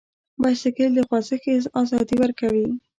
بایسکل د خوځښت ازادي ورکوي.